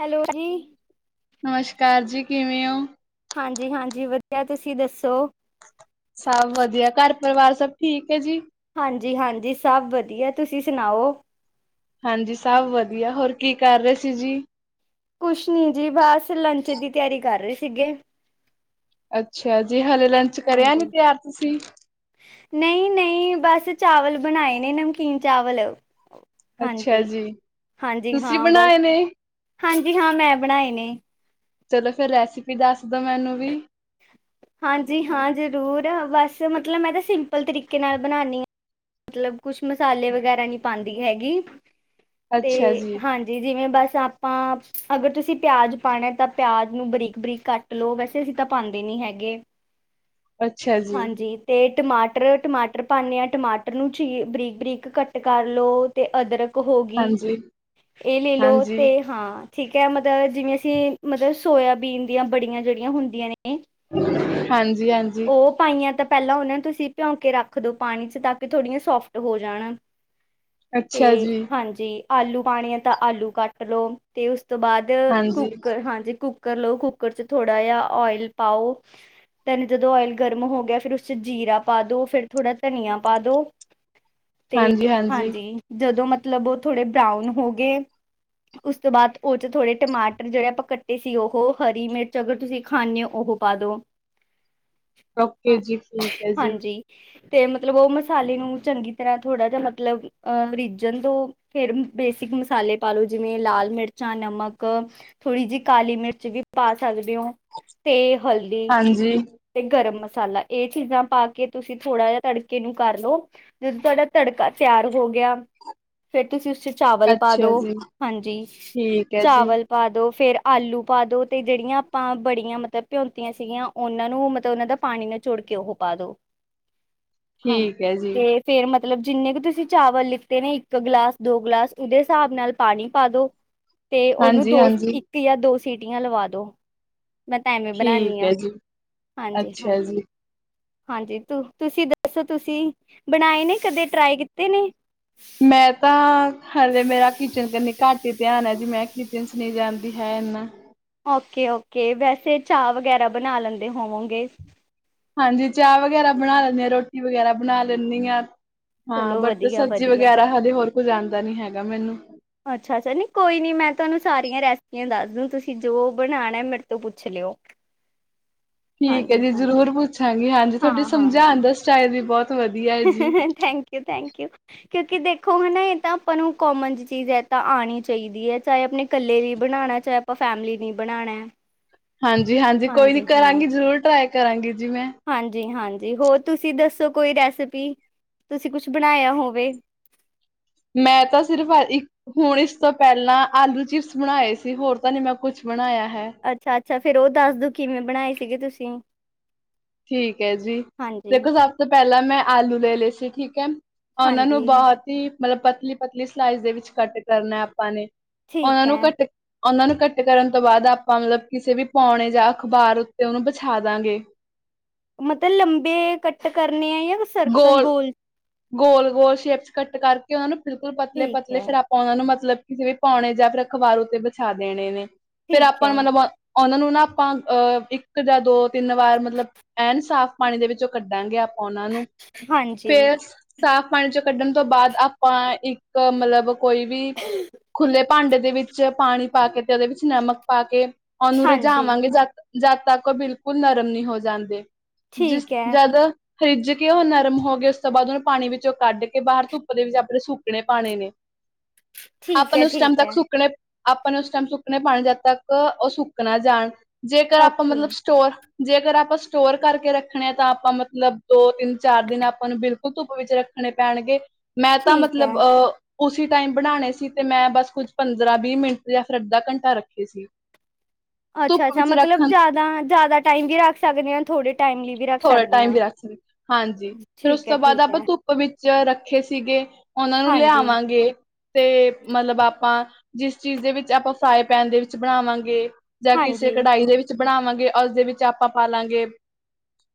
Hello ਜੀ ਨਮਸ਼ਕਾਰ ਜੀ ਕਿਵੇਂ ਹੋ? ਹਾਂਜੀ ਹਾਂਜੀ ਵਧੀਆ ਤੁਸੀਂ ਦੱਸੋ ਸਭ ਵਧੀਆ ਘਰ ਪਰਿਵਾਰ ਸਭ ਠੀਕ ਏ ਜੀ। ਹਾਂਜੀ ਹਾਂਜੀ ਸਭ ਵਧੀਆ ਤੁਸੀਂ ਸੁਣਾਓ। ਹਾਂਜੀ ਸਭ ਵਧੀਆ ਹੋਰ ਕੀ ਕਰ ਰੇ ਸੀ ਜੀ। ਕੁੱਛ ਨੀ ਜੀ ਬਸ ਲੰਚ ਦੀ ਤਿਆਰੀ ਕਰ ਰੇ ਸੀਗੇ। ਅੱਛਾ ਜੀ ਹਲੇ ਲੰਚ ਕਰਿਆ ਨੀ ਤਿਆਰ ਤੁਸੀਂ। ਨਈ -ਨਈ ਬਸ ਚਾਵਲ ਬਣਾਏ ਨੇ, ਨਮਕੀਨ ਚਾਵਲ ਅੱਛਾ ਹਾਂਜੀ ਜੀ -ਹਾਂਜੀ ਤੁਸੀਂ ਹਾਂ ਬਸ ਬਣਾਏ ਨੇ ਹਾਂਜੀ ਹਾਂ ਮੈਂ ਬਣਾਏ ਨੇ ਚਲੋ, ਫੇਰ ਰੈਸਿਪੀ ਦੱਸ ਦੋ ਮੈਨੂੰ ਵੀ ਹਾਂਜੀ, ਹਾਂ ਜ਼ਰੂਰ ਬਸ ਮਤਲਬ, ਮੈਂ ਤਾਂ ਸਿੰਪਲ ਤਰੀਕੇ ਨਾਲ ਬਣਾਨੀ ਆਂ। ਮਤਲਬ, ਕੁਛ ਮਸਾਲੇ ਵਗੈਰਾ ਨੀ ਪਾਂਦੀ ਹੈਗੀ ਤੇ ਹਾਂਜੀ ਜੀ ਜਿਵੇਂ ਬਸ ਆਪਾਂ, ਅਗਰ ਤੁਸੀਂ ਪਿਆਜ਼ ਪਾਣੇ ਤਾਂ ਪਿਆਜ਼ ਨੂੰ ਬਰੀਕ ਬਰੀਕ ਕੱਟ ਲੋ ਵੈਸੇ ਅਸੀਂ ਤਾਂ ਪਾਂਦੇ ਨੀ ਹੈਗੇ। [inaudible] ਜੀ ਹਾਂਜੀ, ਤੇ ਟਮਾਟਰ, ਟਮਾਟਰ ਪਾਂਨੇ ਆਂ ਟਮਾਟਰ ਨੂੰ ਚੀ ਬਰੀਕ- ਬਰੀਕ ਕੱਟ ਕਰ ਲੋ ਤੇ ਅਦਰਕ ਹੋ ਗਈ, ਹਾਂਜੀ ਇਹ ਲੇ ਲੋ ਹਾਂਜੀ ਤੇ ਹਾਂ। ਠੀਕ ਹੈ, ਮਤਲਬ ਜਿਵੇਂ ਅਸੀਂ ਮਤਲਬ ਸੋਇਆਬੀਨ ਦੀਆਂ ਬੜੀਆਂ ਜਿਹੜੀਆਂ ਹੁੰਦੀਆਂ ਨੇ ਹਾਂਜੀ ਹਾਂਜੀ ਉਹ ਪਾਈਆਂ ਤਾਂ ਪਹਿਲਾਂ, ਉਹਨਾਂ ਨੂੰ ਤੁਸੀਂ ਭਿਉਂਕੇ ਰੱਖ ਦੋ ਪਾਣੀ ਚ, ਤਾਂ ਕਿ ਥੋੜ੍ਹੀਆਂ ਸੋਫਟ ਹੋ ਜਾਣ। ਤੇ ਅੱਛਾ ਜੀ ਹਾਂਜੀ ਆਲੂ ਪਾਣੇ ਆ ਤਾਂ ਆਲੂ ਕੱਟ ਲੋ ਤੇ ਉਸ ਤੋਂ ਬਾਅਦ ਹਾਂਜੀ ਕੁੂਕਰ ਹਾਂਜੀ ਕੁੂਕਰ ਲਓ ਕੁੂੱਕਰ ਚ ਥੋੜਾ ਜਿਹਾ ਓਇਲ ਪਾਓ ਤਨ ਜਦੋਂ ਓਇਲ ਗਰਮ ਹੋ ਗਿਆ, ਫਿਰ ਉਸ ਚ ਜੀਰਾ ਪਾ ਦੋ, ਫੇਰ ਥੋੜਾ ਧਨੀਆ ਪਾ ਦੋ, ਤੇ ਹਾਂਜੀ ਜਦੋਂ ਮਤਲਬ ਉਹ ਥੋੜੇ ਬਰਾਊਨ ਹੋ ਗਏ। ਉਸ ਤੋਂ ਬਾਅਦ, ਉਹ ਚ ਥੋੜੇ ਟਮਾਟਰ ਜਿਹੜੇ ਆਪਾਂ ਕੱਟੇ ਸੀ, ਉਹ ਹਰੀ ਮਿਰਚ ਅਗਰ ਤੁਸੀਂ ਖਾਂਨੇ ਓ ਉਹ ਪਾਦੋਂ [inaudible] ਹਾਂ ਜੀ ਠੀਕ ਹੈ ਜੀ ਹਾਂਜੀ ਤੇ ਮਤਲਬ, ਉਹ ਮਸਾਲੇ ਨੂੰ ਚੰਗੀ ਤਰ੍ਹਾਂ ਥੋੜਾ ਜਿਹਾ ਮਤਲਬ ਅਹ ਰੀਝਣ ਦੋ ਫੇਰ ਬੇਸਿਕ ਮਸਾਲੇ ਪਾਲੋ, ਜਿਵੇਂ ਲਾਲ ਮਿਰਚਾਂ, ਨਮਕ ਥੋੜ੍ਹੀ ਜੀ ਕਾਲੀ ਮਿਰਚ ਵੀ ਪਾ ਸਕਦੇ ਹੋ। ਤੇ ਹਲਦੀ, ਹਾਂਜੀ ਤੇ ਗਰਮ ਮਸਾਲਾ, ਇਹ ਚੀਜ਼ਾਂ ਪਾ ਕੇ ਤੁਸੀਂ ਥੋੜ੍ਹਾ ਜਿਹਾ ਤੜ ਕੇ ਨੂੰ ਕਰ ਲੋ, ਜਦੋਂ ਤੁਹਾਡਾ ਤੜਕਾ ਤਿਆਰ ਹੋ ਗਿਆ। ਫੇਰ ਤੁਸੀਂ ਉਸ ਚ ਚਾਵਲ ਪਾ ਦੋ, ਅੱਛਾ ਜੀ ਹਾਂਜੀ ਠੀਕ ਹੈ ਜੀ ਚਾਵਲ ਪਾ ਦੋ ਫੇਰ ਆਲੂ ਪਾ ਦੋ, ਤੇ ਜਿਹੜੀਆਂ ਆਪਾਂ ਬੜੀਆਂ ਮਤਲਬ ਭਿਉਂਤੀਆਂ ਸੀਗੀਆਂ ਉਹਨਾਂ ਨੂੰ ਮਤਲਬ ਉਹਨਾਂ ਦਾ ਪਾਣੀ ਨਚੋੜ ਕੇ ਉਹ ਪਾ ਦੋ ਠੀਕ ਹਾਂਜੀ ਹੈ ਜੀ ਤੇ ਫੇਰ ਮਤਲਬ ਜਿੰਨੇ ਕੇ ਤੁਸੀਂ ਚਾਵਲ ਲਿੱਤੇ ਨੇ ਇੱਕ ਗਲਾਸ ਦੋ ਗਲਾਸ, ਉਹਦੇ ਹਿਸਾਬ ਨਾਲ ਪਾਣੀ ਪਾ ਦੋ [inaudible] ਤੇ ਉਹਨੂੰ ਹਾਂਜੀ ਦੋ ਹਾਂਜੀ ਇੱਕ ਯਾ ਦੋ ਸੀਟੀਆਂ ਲਵਾ ਦੋ ਮੈਂ ਤਾਂ ਐਵੇਂ ਬਣਾਨੀ ਠੀਕ ਹੈ ਹਾਂ, ਜੀ, ਹਾਂਜੀ ਅੱਛਾ ਹਾਂਜੀ ਜੀ। ਹਾਂਜੀ ਤੂੰ ਤੁਸੀਂ ਅੱਛਾ, ਤੁਸੀਂ ਬਣਾਏ ਨੇ ਕਦੇ ਟਰਾਏ ਕੀਤੇ ਨੇ? ਮੈਂ ਤਾਂ ਹਲੇ ਮੇਰਾ ਕਿਚਨ ਘੱਟ ਈ ਧਿਆਨ ਐ ਜੀ, ਮੈਂ ਕਿਚਨ ਚ ਨਈਂ ਜਾਂਦੀ ਹੈ ਏਨਾ। ਓਕੇ-ਓਕੇ ਵੈਸੇ ਚਾਹ ਵਗੈਰਾ ਬਣਾ ਲੈਂਦੇ ਹੋਵੋਗੇਂ। ਹਾਂਜੀ, ਚਾਹ ਵਗੈਰਾ ਬਣਾ ਲੈਂਨੇਂ ਆਂ, ਰੋਟੀ ਵਗੈਰਾ ਬਣਾ ਲੈਂਣੀ ਆ। ਹਾਂ, ਚਲੋ ਬਟ ਵਧੀਆ ਸਬਜ਼ੀ ਵਧੀਆ ਵਗੈਰਾ, ਹਜੇ ਹੋਰ ਕੋਝ ਆਂਦਾ ਨੀ ਹੈਗਾ ਮੇਨੂੰ। ਅੱਛਾ-ਅੱਛਾ, ਨੀ ਕੋਈ ਨੀ ਮੈਂ ਤੁਆਨੂੰ ਸਾਰੀਆਂ ਰੈਸਪੀਆਂ ਦੱਸਦੂੰ, ਤੁਸੀਂ ਜੋ ਬਣਾਣਾ ਮਿ- ਤੋਂ ਪੁੱਛ ਲਿਓ। [inaudible] ਠੀਕ ਐ ਹਾਂਜੀ ਜੀ ਹਾਂਜੀ ਜ਼ਰੂਰ ਪੁੱਛਾਂਗੇ, ਹਾਂਜੀ ਤੁਆਡੇ ਹਾਂ ਹਾਂ ਸਮਝਾਣ ਦਾ ਸਟਾਈਲ ਵੀ ਬੋਤ ਵਧੀਆ ਐਜੀ। ਥੈਂਕਯੂ-ਥੈਂਕਯੂ। ਕਿਉਂਕਿ ਦੇਖੋ ਹਨਾ, ਏ ਤਾਂ ਆਪਾਂ ਨੂੰ ਕੋਮਨ ਚੀਜ ਐ, ਐ ਤਾਂ ਆਣੀ ਚਾਈਦੀ ਐ ਚਾਏ ਆਪਣੇ ਕੱਲੇ ਲਈ ਬਣਾਣਾ, ਚਾਹੇ ਆਪਾਂ ਫੈਮਿਲੀ ਨੀ ਬਣਾਣਾ। ਹਾਂਜੀ-ਹਾਂਜੀ, ਕੋਈ ਨੀ ਕਰਾਂਗੀ ਜਰੂਰ ਟਰਾਈ ਕਰਾਂਗੀ ਜੀ ਮੈਂ। ਹਾਂਜੀ-ਹਾਂਜੀ ਹੋਰ ਤੁਸੀਂ ਦੱਸੋ ਕੋਈ ਰੈਸਪੀ, ਤੁਸੀਂ ਕੁਛ ਬਣਾਇਆ ਹੋਵੇ। ਮੈਂ ਤਾਂ ਸਿਰਫ ਇੱਕ ਹੁਣ ਇਸ ਤੋਂ ਪੈਲਾਂ ਆਲੂ-ਚਿਪਸ ਬਣਾਏ ਸੀ, ਹੋਰ ਤਾ ਨੀ ਮੈਂ ਕੁਛ ਬਣਾਯਾ ਹੈ। ਅੱਛਾ-ਅੱਛਾ, ਫੇਰ ਓ ਦੱਸਦੋ ਕਿਵੇਂ ਬਣਾਏ ਸੀਗੇ, ਤੁਸੀਂ? ਠੀਕ ਐ ਜੀ, ਹਾਂਜੀ ਦੇਖੋ ਸਭ ਤੋਂ ਪੈਲਾਂ ਮੈਂ ਆਲੂ ਲੇਲੇ ਸੀ, ਠੀਕ ਐ ਓਨਾਂ ਨੂੰ ਹਾਂਜੀ ਬਹੋਤ ਈ, ਮਤਲਬ ਪਤਲੀ-ਪਤਲੀ ਸਲਾਈਸ ਦੇ ਵਿੱਚ ਕੱਟ ਕਰਨਾ ਆਪਾਂ ਨੇ। ਠੀਕ ਓਨਾਂ ਨੂੰ ਹੈ ਕੱਟ ਓਨਾਂ ਨੂੰ ਕਟ ਕਰਨ ਤੋਂ ਬਾਦ ਆਪਾਂ ਮਤਲਬ, ਕਿਸੇ ਵੀ ਪੌਣੇ ਜਾਂ ਅਖ਼ਬਾਰ ਉੱਤੇ ਓਨੂੰ ਬਛਾ ਦਾਂਗੇ। ਮਤਲਬ ਲੰਬੇ ਕੱਟ ਕਰਨੇ ਆ ਯਾਂ ਸਰਕਲ ਗੋਲ? ਗੋਲ-ਗੋਲ ਸ਼ੇਪ'ਚ ਕੱਟ ਕਰਕੇ ਓਨਾਂ ਨੂੰ ਬਿਲਕੁਲ ਠੀਕ ਪਤਲੇ-ਪਤਲੇ ਹੈ ਫਿਰ ਆਪ ਓਨਾਂ ਨੂੰ ਮਤਲਬ ਕਿ ਜਿਵੇਂ, ਪੌਣੇ ਯਾਂ ਫੇਰ ਅਖ਼ਬਾਰ ਉੱਤੇ ਬਛਾ ਦੇਣੇ ਨੇ, ਫੇਰ ਠੀਕ ਆਪਾਂ ਹੈ ਨ ਮਤਲਬ ਔਹਨਾਂ ਨੂੰ ਨਾ ਆਪਾਂ, ਅਹ ਇੱਕ ਜਾ ਦੋ-ਤਿੰਨ ਵਾਰ ਮਤਲਬ ਐਨ ਸਾਫ਼ ਪਾਣੀ ਦੇ ਵਿੱਚੋਂ ਕੱਢਾਂਗੇ, ਆਪਾਂ ਓਨਾਂ ਨੂੰ। ਹਾਂਜੀ ਫੇਰ ਸਾਫ਼ ਪਾਣੀ'ਚੋ ਕੱਢਣ ਤੋਂ ਬਾਦ ਆਪਾਂ ਇੱਕ, ਮਤਲਬ ਕੋਈ ਵੀ ਖੁੱਲੇ ਭਾਂਡੇ ਦੇ ਵਿੱਚ ਪਾਣੀ ਪਾਕੇ, ਤੇ ਓਦੇ ਵਿੱਚ ਨਮਕ ਪਾਕੇ ਔਨੁ ਹਾਂਜੀ ਰਿਝਾਵਾਂਗੇ ਜਦ, ਜਦ ਤੱਕ ਬਿਲਕੁਲ ਨਰਮ ਨੀ ਹੋ ਜਾਂਦੇ। ਜਿਸ ਠੀਕ ਹੈ ਜਦ ਰਿੱਝਕੇ ਓਹ ਨਰਮ ਹੋਗੇ, ਉਸ ਤੋਂ ਬਾਦ ਓਨੂੰ ਪਾਣੀ ਵਿੱਚੋਂ ਕੱਢਕੇ ਬਾਹਰ, ਧੁੱਪ ਦੇ ਵਿੱਚ ਆਪਣੇ ਸੁੱਕਣੇ ਪਾਣੇ ਨੇ। ਠੀਕ ਆਪਾ ਹੈ ਨੇ ਉਸ ਠੀਕ ਟਾਈਮ ਤੱਕ ਹੈ ਸੁੱਕਣੇ, ਆਪਾਂ ਨੇ ਉਸ ਟਾਈਮ ਸੁੱਕਣੇ ਪਾਣੇ ਜਦ ਤੱਕ, ਓ ਸੁੱਕ ਨਾ ਜਾਣ। ਜੇਕਰ ਆਪਾ ਓਕੇ ਮਤਲਬ ਸਟੋਰ ਜੇਕਰ ਆਪਾ ਸਟੋਰ ਕਰਕੇ ਰੱਖਣੇ ਆ ਤਾ ਆਪਾ ਮਤਲਬ ਦੋ, ਤਿੰਨ, ਚਾਰ ਦਿਨ ਆਪਾਂ ਨੂੰ ਬਿਲਕੁ ਧੁੱਪ ਵਿੱਚ ਰੱਖਣੇ ਪੈਣਗੇ, ਮੈਂ ਤਾ ਠੀਕ ਹੈ ਮਤਲਬ ਅਹ ਉਸੀ ਟਾਇਮ ਬਣਾਣੇ ਸੀ, ਤੇ ਮੈਂ ਬਸ ਕੁੱਝ ਪੰਦਰਾਂ-ਵੀਹ ਮਿੰਟ ਯਾਂ ਫੇਰ ਅੱਧਾ ਘੰਟਾ ਰੱਖੇ ਸੀ। ਧੁੱਪ ਅੱਛਾ-ਅੱਛਾ ਵਿੱਚ ਮਤਲਬ ਰੱਖਣ ਜਾਦਾ ਜਾਦਾ ਟਾਈਮ ਵੀ ਰੱਖ ਸਕਦੇ ਆਂ, ਥੋੜੇ ਟਾਇਮ ਲਈ ਵੀ। ਰੱਖ ਥੋੜਾ ਸਕਦੇ ਟਾਈਮ ਵੀ ਹਾਂ। ਰੱਖ ਸਕ ਹਾਂਜੀ ਫੇਰ, ਉਸ ਠੀਕ ਹੈ ਤੋ ਬਾਦ ਠੀਕ ਹੈ ਆਪਾ ਧੁੱਪ ਧੁੱਪ ਵਿੱਚ ਰੱਖੇ ਸੀਗੇ, ਓਨਾਂ ਨੂੰ ਹਾਂਜੀ-ਹਾਂਜੀ ਲਿਆਵਾਂਗੇ। ਤੇ ਮਤਲਬ ਆਪਾਂ ਜਿਸ ਚੀਜ਼ ਦੇ ਵਿੱਚ ਆਪਾਂ ਫ੍ਰਾਈਪੈਨ ਦੇ ਵਿੱਚ ਬਣਾਵਾਂਗੇ, ਤੇ ਜਾ ਕਿਸੇ ਕਢਾਈ ਦੇ ਵਿੱਚ ਬਣਾਵਾਂਗੇ, ਓਸਦੇ ਵਿੱਚ ਆਪਾ ਪਾਲਾਂਗੇ।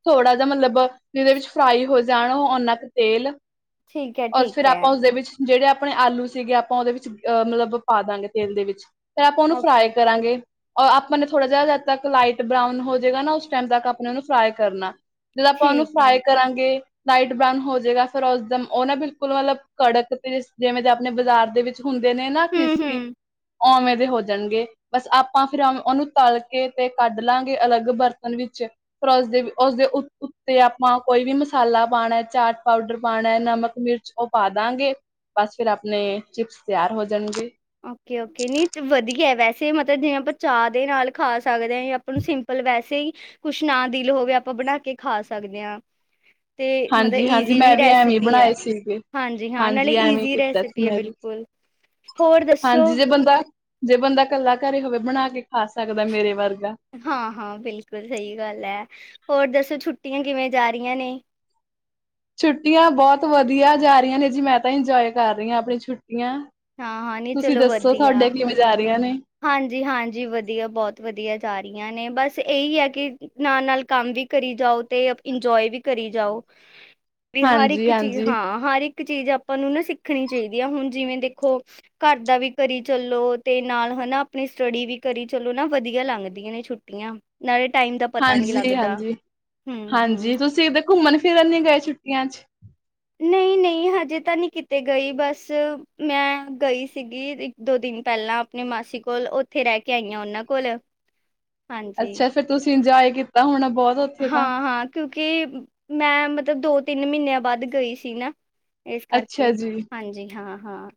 ਥੋੜ੍ਹਾ ਜਾ ਮਤਲਬ ਜੀਦੇ ਵਿੱਚ ਫ੍ਰਾਈ ਹੋ ਜਾਣ, ਓ ਓਨਾਂ ਕੁ ਤੇਲ ਠੀਕ ਹੈ ਔਰ ਠੀਕ ਫਿਰ, ਹੈ ਆਪਾ ਉਸਦੇ ਵਿੱਚ ਜੇੜੇ ਆਪਣੇ ਆਲੂ ਸੀਗੇ, ਆਪਾਂ ਓਦੇ ਵਿੱਚ ਅ ਮਤਲਬ ਪਾਦਾਂਗੇ, ਤੇਲ ਦੇ ਵਿੱਚ। ਫਿਰ ਆਪਾ ਉਹਨੂੰ ਫ੍ਰਾਈ ਓਕੇ ਕਰਾਂਗੇ। ਔਰ ਆਪਾਂ ਨੇ ਥੋੜਾ ਜਿਹਾ ਜਦ ਤੱਕ ਲਾਈਟ ਬ੍ਰਾਊਨ ਹੋਜੇਗਾ ਨਾ, ਉਸ ਟਾਈਮ ਤੱਕ ਆਪਣੇ ਨੁੰ ਫ੍ਰਾਈ ਕਰਨਾ। ਜਦੋ ਆਪਾ ਉਹਨੂੰ ਠੀਕ ਹੈ ਫਰਾਈ ਕਰਾਂਗੇ ਲਾਈਟ ਬ੍ਰਾਊਨ ਹੋਜੇਗਾ ਫਿਰ ਉਸਦਮ, ਉਹ ਨਾ ਬਿਲਕੁਲ ਮਤਲਬ, ਕੜਕ ਤੇ ਜਿਵੇਂ ਆਪਣੇ ਬਜ਼ਾਰ ਦੇ ਵਿੱਚ ਚ, ਹੁੰਦੇ ਨੇ ਨਾ ਕ੍ਰਿਸਪੀ। ਹੂੰ-ਹੂੰ ਓਵੇਂ ਦੇ ਹੋ ਜਾਣਗੇ। ਬਸ ਆਪਾਂ ਫਿਰ ਉਹਨੂੰ ਤਲਕੇ, ਤੇ ਕੱਢਲਾਂਗੇ ਅਲੱਗ ਬਰਤਨ ਵਿੱਚ। ਪਰਰ ਉਸਦੇ ਵੀ ਉਸਦੇ ਉ, ਉੱਤੇ ਆਪਾਂ ਕੋਈ ਵੀ ਮਸਾਲਾ ਪਾਣੈ, ਚਾਟ ਪਾਊਡਰ ਪਾਣੈ, ਨਮਕ, ਮਿਰਚ ਉਹ ਪਾਦਾਂਗੇ। ਬਸ ਫਿਰ ਆਪਣੇ, ਚਿਪਸ ਤਿਆਰ ਹੋ ਜਾਣਗੇ। ਓਕੇ-ਓਕੇ ਨਹੀਂ ਵਧੀਆ, ਵੈਸੇ ਮਤਲਬ ਜਿਵੇਂ ਆਪਾਂ ਚਾਹ ਦੇ ਨਾਲ ਖਾ ਸਕਦੇ ਆਂ, ਯਾ ਆਪਾਂ ਨੂੰ ਸਿੰ ਪਲ ਵੈਸੇ ਹੀ, ਕੁਛ ਨਾ ਦਿਲ ਹੋਵੇ ਆਪਾ ਬਣਾਕੇ ਖਾ ਸਕਦੇ ਹਾਂ। ਤੇ, ਮਤਲਬ ਹਾਂਜੀ ਹਾਂਜੀ ਈਜ਼ੀ ਮੈਂ ਵੀ ਐਵੇਂ ਰੈਸਪੀ ਐ। ਬਣਾਏ ਸੀਗੇ ਹਾਂਜੀ-ਹਾਂ, ਨਾਲੇ ਹਾਂਜੀ ਐਵੇਂ ਈਜ਼ੀ ਕੀਤਾ ਸੀ ਰੈਸਪੀ ਹੈ ਮੈਂ ਵੀ ਬਿਲਕੁਲ। ਹੋਰ ਦੱਸੋ ਹਾਂਜੀ, ਜੇ ਬੰਦਾ ਜੇ ਬੰਦਾ ਇਕੱਲਾ ਘਰੇ ਹੋਵੇ, ਬਣਾਕੇ ਖਾ ਸਕਦਾ ਮੇਰੇ ਵਰਗਾ। ਹਾਂ-ਹਾਂ, ਬਿਲਕੁਲ ਸਹੀ ਗੱਲ ਐ, ਹੋਰ ਦੱਸੋ? ਛੁੱਟੀਆਂ ਕਿਵੇਂ ਜਾ ਰਹੀਆਂ ਨੇ? ਛੁੱਟੀਆਂ ਬਹੁਤ ਵਧੀਆ ਜਾ ਰਹੀਆਂ ਨੇ ਜੀ, 'ਮੈਂ' ਤਾਂ ਇੰਜੋਏ ਕਰ ਰਹੀ ਹਾਂ ਆਪਣੀਆਂ ਛੁੱਟੀਆਂ। ਹਾਂ-ਹਾਂ ਨਹੀਂ ਤੁਸੀਂ ਚਲੋ ਦੱਸੋ? ਵਧੀਆ। ਥੁਹਾਡੇ ਕਿਵੇਂ ਜਾ ਰਹੀਆਂ ਨੇ? ਹਾਂਜੀ-ਹਾਂਜੀ, ਵਧੀਆ, ਬਹੁਤ ਵਧੀਆ ਜਾ ਰਹੀਆਂ ਨੇ, ਬਸ ਇਹੀ ਆ ਕਿ ਨਾਲ-ਨਾਲ ਕੰਮ ਵੀ ਕਰੀ ਜਾਓ, ਤੇ ਇੰਜੋਏ ਵੀ ਕਰੀ ਜਾਓ। [inaudible] ਵੀ ਹਰ ਇੱਕ ਚੀਜ਼ ਹਾਂਜੀ, ਹਾਂ, ਹਰ ਇੱਕ ਚੀਜ਼ ਆਪਾਂ ਨੂੰ ਨਾ ਸਿੱਖਣੀ ਚਾਹੀਦੀ ਆ, ਹੁਣ ਜਿਵੇਂ ਦੇਖੋ ਘਰ ਦਾ ਵੀ ਕਰੀ ਚੱਲੋ ਤੇ ਨਾਲ ਹਨਾ, ਆਪਣੀ ਸਟੱਡੀ ਵੀ ਕਰੀ ਚਲੋ, ਨਾ ਵਧੀਆ ਲੰਘਦੀਆਂ ਨੇ ਛੁੱਟੀਆਂ ਨਾਲੇ ਟਾਈਮ ਦਾ ਪਤਾ ਨਹੀਂ ਹਾਂਜੀ, ਲੱਗਦਾ, ਹਾਂਜੀ। ਹਮ-ਹਮ। ਹਾਂਜੀ, ਤੁਸੀਂ ਕਿਤੇ ਘੁੰਮਣ- ਫਿਰਨ ਨੀ ਗਏ ਛੁੱਟੀਆਂ ਚ? ਨਹੀਂ- ਨਹੀਂ, ਹਜੇ ਤਾਂ ਨਹੀਂ ਕਿਤੇ ਗਈ, ਬਸ ਮੈਂ ਗਈ ਸੀਗੀ ਦੋ ਦਿਨ ਪਹਿਲਾਂ ਆਪਣੀ ਮਾਸੀ ਕੋਲ ਉੱਥੇ ਰਹਿ ਕੇ ਆਈਆਂ, ਉਹਨਾਂ ਕੋਲ। ਹਾਂਜੀ ਅੱਛਾ, ਫੇਰ ਤੁਸੀਂ ਇੰਜੋਏ ਕੀਤਾ ਹੋਣਾ ਬਹੁਤ। ਉੱਥੇ ਤਾਂ, ਹਾਂ-ਹਾਂ, ਕਿਉਂਕਿ ਮੈਂ ਮਤਲਬ ਦੋ- ਤਿੰਨ ਮਹੀਨਿਆਂ ਬਾਅਦ ਗਈ ਸੀ ਨਾ। ਇਸ ਅੱਛਾ ਕਰਕੇ ਜੀ, ਹਾਂਜੀ ਹਾਂ- ਹਾਂ।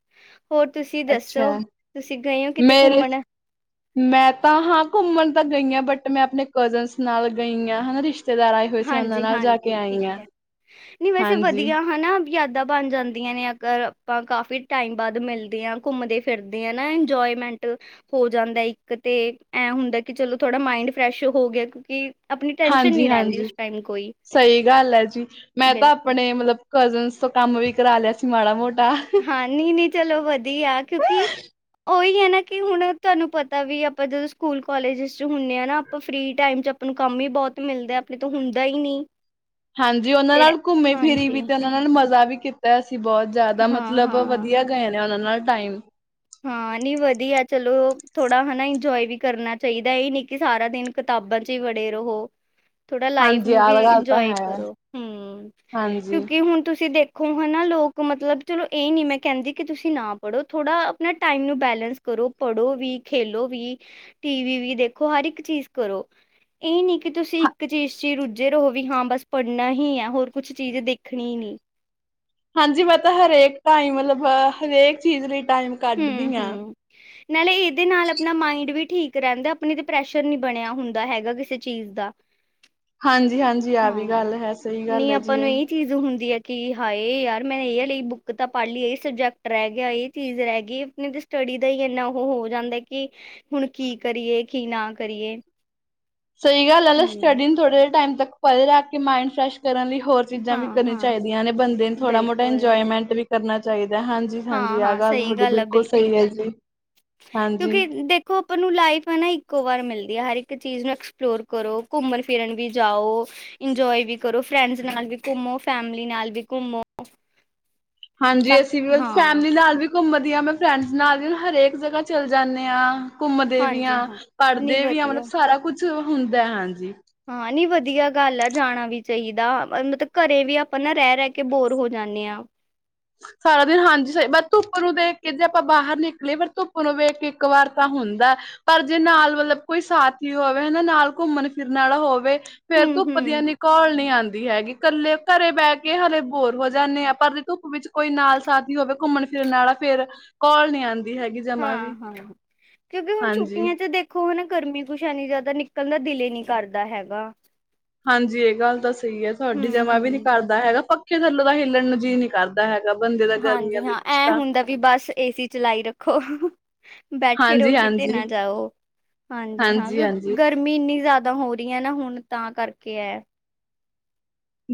ਹੋਰ ਤੁਸੀਂ ਦੱਸੋ? ਅੱਛਾ। ਤੁਸੀਂ ਗਏ ਹੋ ਕਿਤੇ ਮੇਰੇ ਘੁੰਮਣ? ਮੈਂ ਤਾਂ ਹਾਂ ਘੁੰਮਣ ਤਾਂ ਗਈ ਹਾਂ, ਬਟ ਮੈਂ ਆਪਣੇ ਕਜ਼ਨਸ ਨਾਲ ਗਈ ਹਾਂ, ਹਨਾ ਰਿਸ਼ਤੇ ਹਾਂਜੀ- ਹਾਂਜੀ ਠੀਕ ਹੈ, ਨਹੀਂ ਵੈਸੇ ਹਾਂਜੀ, ਵਧੀਆ ਹਨਾ ਯਾਦਾਂ ਬਣ ਜਾਂਦੀਆਂ ਨੇ, ਅਗਰ ਆਪਾਂ ਕਾਫੀ ਟਾਈਮ ਬਾਅਦ ਮਿਲਦੇ ਹਾਂ ਘੁੰਮਦੇ-ਫਿਰਦੇ ਦੇ ਆ ਨਾ ਇੰਜੋਏਮੈਂਟ ਹੋ ਜਾਂਦਾ, ਇੱਕ ਤੇ ਐ ਹੁੰਦਾ, ਕਿ ਚਲੋ ਥੋੜਾ ਮਾਇੰਡ ਫਰੈਸ਼ ਹੋ ਗਿਆ ਕਿਉਂਕਿ ਆਪਣੀ ਟੈਂਨਸ਼ਨ ਹਾਂਜੀ, ਨਹੀਂ ਰਹਿੰਦੀ। ਹਾਂਜੀ। ਉਸ ਟਾਈਮ ਕੋਈ ਸਹੀ ਗੱਲ ਹੈ ਜੀ, ਮੈਂ ਤਾਂ ਬਿਲਕੁਲ ਆਪਣੇ ਮਤਲਬ ਕਜ਼ਨਸ ਤੋਂ ਕੰਮ ਵੀ ਕਰਾ ਲਿਆ ਸੀ ਮਾੜਾ ਮੋਟਾ਼। ਹਾਂ ਨੀ -ਨੀ ਚਲੋ ਵਧੀਆ, ਕਿਉਂਕਿ ਉਹੀ ਹੈ ਨਾ, ਕਿ ਹੁਣ ਤੁਹਾਨੂੰ ਪਤਾ ਵੀ ਆਪਾਂ ਜਦੋਂ ਸਕੂਲ ਕਾਲਜ ਚ ਹੁੰਦੇ ਹਾਂ ਨਾ ਆਪਾਂ ਫਰੀ ਟਾਈਮ ਚ ਆਪਾਂ ਨੂੰ ਕੰਮ ਹੀ ਬਹੁਤ ਮਿਲਦਾ, ਆਪਣੇ ਤੋਂ ਹੁੰਦਾ ਹੀ ਨਹੀਂ। ਹਾਂਜੀ, ਉਹਨਾਂ ਫਿਰ ਨਾਲ ਘੁੰਮੀ- ਫਿਰੀ ਹਾਂਜੀ ਵੀ ਤੇ ਉਹਨਾਂ ਨਾਲ ਮਜ਼ਾ ਵੀ ਕੀਤਾ, ਅਸੀਂ ਬਹੁਤ। ਜ਼ਿਆਦਾ ਹਾਂ, ਮਤਲਬ ਹਾਂ। ਵਧੀਆ ਗਏ ਨੇ, ਉਹਨਾਂ ਨਾਲ ਟਾਈਮ। ਹਾਂ ਨਈ ਵਧੀਆ, ਚਲੋ ਥੋੜਾ ਹਨਾ ਇੰਜੋਏ ਵੀ ਕਰਨਾ ਚਾਹੀਦਾ, ਇਹ ਨੀ ਕਿ ਸਾਰਾ ਦਿਨ ਕਿਤਾਬਾਂ ਚ ਹੀ ਵੜੇ ਰਹੋ। [inaudible] ਥੋੜਾ ਲਾਈਫ ਹਾਂਜੀ ਨੂੰ ਵੀ ਯਾਦ ਗੱਲ ਤਾਂ ਇੰਜੋਏ ਹੈ ਕਰੋ, ਹਮ ਹਾਂਜੀ ਕਿਉਕਿ ਹੁਣ ਤੁਸੀਂ ਦੇਖ ਦੇਖੋ ਹਨ, ਨਾ ਲੋਕ ਮਤਲਬ ਚਲੋ ਇਹ ਨੀ ਮੈਂ ਕਹਿੰਦੀ ਕਿ ਤੁਸੀਂ ਨਾ ਪੜ੍ਹੋ ਥੋੜ੍ਹਾ ਅਪਣਾ ਟਾਈਮ ਨੂੰ ਬੈਲੇੈਂਸ ਕਰੋ, ਪੜ੍ਹੋ ਵੀ, ਖੇਲੋ ਵੀ ਟੀਵੀ ਵੀ ਦੇਖੋ, ਹਰ ਇੱਕ ਚੀਜ਼ ਕਰੋ। ਇਹ ਨਹੀਂ ਕਿ ਤੁਸੀਂ ਇੱਕ ਚੀਜ਼ ਚ ਹੀ ਰੁੱਝੇ ਰਹੋ ਵੀ ਹਾਂ ਬਸ ਪੜ੍ਹਨਾ ਹੀ ਹੈ, ਹੋਰ ਕੁਛ ਚੀਜ਼ ਦੇਖਣੀ ਹੀ ਨਹੀਂ। ਹਾਂਜੀ ਮੈਂ ਤਾਂ ਹਰੇਕ ਟਾਈਮ ਮਤਲਬ ਹਰੇਕ ਚੀਜ਼ ਲਈ ਟਾਈਮ ਹਮ- ਕੱਢਦੀ ਹਾਂ ਹਮ, ਨਾਲੇ ਇਹਦੇ ਨਾਲ ਆਪਣਾ ਮਾਈੰਡ ਵੀ ਠੀਕ ਰਹਿੰਦਾ, ਅਪਣੇ ਤੇ ਪ੍ਰੈਸ਼ਰ ਨਹੀਂ ਬਣਿਆ ਹੁੰਦਾ ਹੈਗਾ ਕਿਸੇ ਚੀਜ਼ ਦਾ। ਹਾਂਜੀ-ਹਾਂਜੀ, ਆਹ ਵੀ ਹਾਂ ਗੱਲ ਹੈ, ਸਹੀ ਗੱਲ ਨਹੀਂ ਹੈ ਆਪਾਂ ਜੀ ਨੂੰ ਇਹ। ਚੀਜ਼ ਹੁੰਦੀ ਹੈ ਕਿ, ਹਾਏ ਯਾਰ ਮੈਂ ਇਹ ਵਾਲੀ ਬੁੱਕ ਤਾਂ ਪੜ੍ਹ ਲਈ, ਇਹ ਸਬਜੈਕਟ ਰਹਿ ਗਿਆ, ਇਹ ਚੀਜ਼ ਰਹਿ ਗਈ ਅਪਣੇ ਤੇ ਸਟੱਡੀ ਦਾ ਹੀ ਇੰਨਾ ਔਹ ਹੋ ਜਾਂਦਾ ਕਿ ਹੁਣ ਕੀ ਕਰੀਏ, ਕੀ ਨਾ ਕਰੀਏ। ਸਹੀ ਗੱਲ ਹੈ ਨਾ, ਹੂੰ ਸਟੱਡੀ ਨੂੰ ਥੋੜੇ ਜਿਹੇ ਟਾਈਮ ਤੱਕ ਪਰੇ ਰੱਖ ਕੇ ਮਾਈੰਡ ਫਰੈਸ਼ ਕਰਨ ਲਈ ਹੋਰ ਚੀਜ਼ਾਂ ਹਾਂ ਵੀ ਕਰਨੀਆਂ ਹਾਂ ਚਾਹੀਦੀਆਂ ਨੇ, ਬੰਦੇ ਨੂੰ ਥੋੜਾ ਮੋਟਾ ਬਿਲਕੁਲ ਇੰਜੋਏਮੈਂਟ ਵੀ ਕਰਨਾ ਚਾਹੀਦਾ ਹੈ। ਹਾਂ ਹਾਂਜੀ- ਹਾਂਜੀ, ਹਾਂ ਆਹ ਹਾਂ ਗੱਲ ਸਹੀ ਤੁਹਾਡੀ ਆ ਬਿਲਕੁਲ ਸਹੀ ਹੈ ਜੀ, ਹਾਂਜੀ। ਕਿਉਂਕਿ ਦੇਖੋ ਆਪਾਂ ਨੂੰ ਲਾਈਫ ਹੈ ਨਾ ਇੱਕੋ ਵਾਰ ਮਿਲਦੀ ਹੈ, ਹਰ ਇੱਕ ਚੀਜ਼ ਨੂੰ ਐਕਸਪਲੋਰ ਕਰੋ, ਘੁੰਮਣ- ਫਿਰਨ ਵੀ ਜਾਓ ਇੰਜੋਏ ਵੀ ਕਰੋ, ਫਰੈਂਡਸ ਨਾਲ ਵੀ ਘੁੰਮੋ, ਫੈਮਲੀ ਨਾਲ ਵੀ ਘੁੰਮੋ। ਹਾਂਜੀ, ਤਾਂ ਅਸੀਂ ਵੀ ਕਿ- ਮਤਲਬ ਹਾਂ ਫੈਮਿਲੀ ਨਾਲ ਵੀ ਘੁੰਮਦੀ ਹਾਂ, ਮੈਂ ਫਰੈਂਡਸ ਨਾਲ ਵੀ ਹਰੇਕ ਜਗ੍ਹਾ ਚੱਲ ਜਾਂਣੇ ਆ। ਘੁੰਮਦੇ ਵੀ ਹਾਂਜੀ ਹ, ਹਾਂ ਨਹੀਂ ਪੜ੍ਹਦੇ ਵੀ ਆ, ਮਤਲਬ ਵਧੀਆ ਸਾਰਾ ਕੁਛ ਹੁੰਦਾ ਹਾਂਜੀ। ਹਾਂ ਨਈ ਵਧੀਆ ਗੱਲ ਆ ਜਾਣਾ ਵੀ ਚਾਹੀਦਾ, ਮਤਲਬ ਘਰੇ ਵੀ ਆਪਾਂ ਨਾ ਰਹਿ-ਰਹਿ ਕੇ ਬੋਰ ਹੋ ਜਾਂਨੇ ਹਾਂ। ਸਾਰਾ ਦਿਨ ਹਾਂਜੀ ਸਹੀ ਬਸ ਧੁੱਪ ਨੂੰ ਦੇਖ ਕੇ ਜੇ ਆਪਾਂ ਬਾਹਰ ਨਿਕਲੀਏ, ਪਰ ਧੁੱਪ ਨੂੰ ਵੇਖ ਕੇ ਇੱਕ ਵਾਰ ਤਾਂ ਹੁੰਦਾ ਪਰ ਜੇ ਨਾਲ ਮਤਲਬ ਕੋਈ ਸਾਥੀ ਹੋਵੇ ਹਨਾ, ਨਾਲ ਘੁੰਮਣ-ਫਿਰਨ ਵਾਲਾ ਹੋਵੇ ਫੇਰ ਹੂੰ ਧੁੱਪ ਦੀ ਹੂੰ ਏਨੀ ਕੋਲ ਨਹੀਂ ਆਉਂਦੀ ਹੈਗੀ, ਇਕੱਲੇ ਘਰੇ ਬਹਿ ਕੇ ਹਲੇ ਬੋਰ ਹੋ ਜਾਂਦੇ ਆ, ਪਰ ਧੁੱਪ ਵਿੱਚ ਕੋਈ ਨਾਲ ਸਾਥੀ ਹੋਵੇ ਘੁੰਮਣ-ਫਿਰਨ ਵਾਲਾ, ਫੇਰ ਕੋਲ ਨੀ ਆ ਹਾਂ-ਹਾਂ, ਕਿਉਂਕਿ ਹੁਣ ਹਾਂਜੀ। ਛੁੱਟੀਆਂ'ਚ ਦੇ ਦੇਖੋ ਹਨਾ, ਗਰਮੀ ਕੁਛ ਇਨੀ ਜ਼ਿਆਦਾ ਨਿਕਲਣ ਦਾ ਦਿਲ ਹੀ ਨਹੀਂ ਕਰਦਾ ਹੈਗਾ। ਹਾਂਜੀ, ਇਹ ਗੱਲ ਤਾਂ ਸਹੀ ਹੈ ਹੂੰ ਤੁਹਾਡੀ ਜਮਾ ਵੀ ਨੀ ਹੂੰ ਕਰਦਾ ਹੈਗਾ, ਪੱਖੇ ਥੱਲੋਂ ਤਾਂ ਹਿੱਲਣ ਦਾ ਜੀਅ ਨਹੀਂ ਕਰਦਾ। ਏ ਹੈਗਾ ਬ ਹਾਂਜੀ ਹਾਂ, ਐਂ ਹੁੰਦਾ ਵੀ ਬਸ ਏਸੀ ਚਲਾਈ ਰੱਖੋ। ਬੈਠੇ ਰਹੋ ਹਾਂਜੀ ਕਿਤੇ ਹਾਂਜੀ ਨਾ ਜਾਓ, ਹਾਂਜੀ ਹਾਂ ਗਰਮੀ ਇੰਨੀ ਜ਼ਿਆਦਾ ਹੋ ਰਹੀ ਹੈ ਨਾ, ਹੁਣ ਤਾਂ ਕਰਕੇ ਇਹ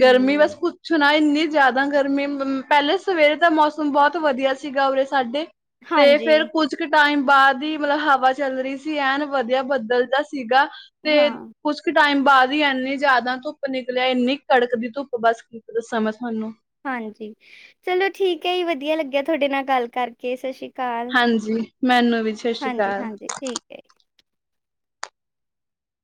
ਗਰਮੀ ਬਸ ਪੁੱਛੋ ਨਾ, ਇੰਨੀ ਜ਼ਿਆਦਾ ਗਰਮੀ ਪਹਿਲੇ ਸਵੇਰੇ ਦਾ ਮੌਸਮ ਬਹੁਤ ਵਧੀਆ ਸੀਗਾ, ਉਰੇ ਸਾਡੇ। ਤੇ ਹਾਂਜੀ ਫੇਰ ਕੁੱਝ ਇੱਕ ਟਾਈਮ ਬਾਅਦ ਹੀ ਮਤਲਬ ਹਵਾ ਚੱਲ ਰਹੀ ਸੀ, ਐਨ ਵਧੀਆ ਬਦਲ ਜਾ ਸੀਗਾ ਤੇ ਹਾਂ ਕੁਛ ਕੁ ਟਾਈਮ ਬਾਅਦ ਹੀ ਇੰਨੀ ਜ਼ਿਆਦਾ ਧੁੱਪ ਨਿਕਲ ਆਇ, ਇੰਨੀ ਕੜਕ ਦੀ ਧੁੱਪ ਬਸ, ਕੀ ਦੱਸਾਂ ਮੈਂ ਤੁਹਾਨੂੰ। ਹਾਂਜੀ, ਚਲੋ ਠੀਕ ਹੈ ਜੀ, ਵਧੀਆ ਲੱਗਿਆ ਤੁਹਾਡੇ ਨਾਲ ਗੱਲ ਕਰ ਓਕੇ ਸਤਿ ਸ਼੍ਰੀ ਅਕਾਲ, ਹਾਂਜੀ ਮੈਨੂੰ ਵੀ ਸਤਿ ਸ਼੍ਰੀ ਅਕਾਲ ਹਾਂਜੀ-ਹਾਂਜੀ, ਠੀਕ ਹੈ ਜੀ।